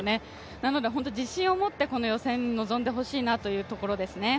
なので自信を持ってこの予選に臨んでほしいなというところですね。